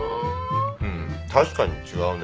うん確かに違うね。